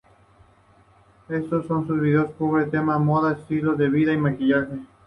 En sus vídeos cubre temas como moda, estilo de vida y maquillaje.